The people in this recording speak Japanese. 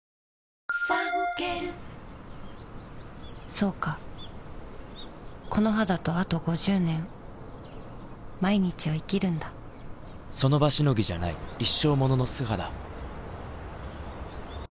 そうかこの肌とあと５０年その場しのぎじゃない一生ものの素肌